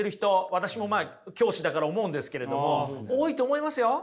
私も教師だから思うんですけれども多いと思いますよ。